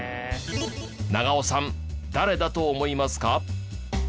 長尾さん誰だと思いますか？